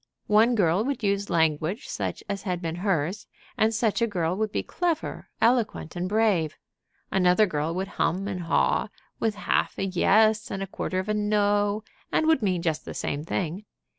One girl would use language such as had been hers, and such a girl would be clever, eloquent, and brave; another girl would hum and haw, with half a "yes" and a quarter of a "no," and would mean just the same thing.